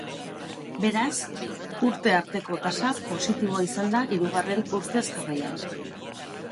Beraz, urte arteko tasa positiboa izan da hirugarren urtez jarraian.